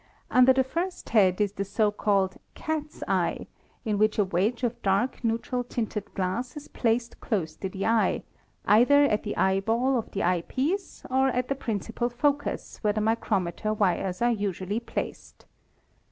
Under the first head is the so called "cat's eye," in which a wedge of dark neutral tinted glass is placed close to the eye, either at the eyeball of the eye piece or at the principal focus where the micrometer wires are usually placed.